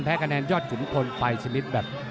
แพ้คะแนนยอดกลุ่มคนไปสินิทแบบ